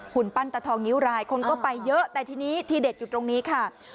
หุ่นปั้นตฐองเงิวรายอาทิตย์กันก็ไปเยอะแต่ที่เด็ดอยู่ตรงนี้ค่ะ